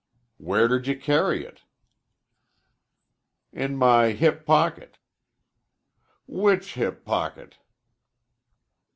"Where did you carry it?" "In my hip pocket." "Which hip pocket?"